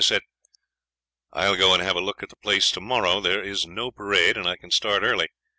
"'I'll go and have a look at the place tomorrow,' I said; 'there is no parade, and I can start early.